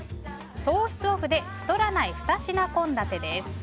糖質オフで太らない２品献立です。